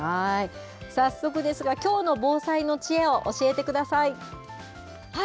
早速ですが、きょうの防災の知恵を教えてください。